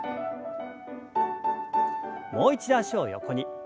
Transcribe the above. もう一度脚を横に。